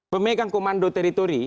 pemegang komando teritori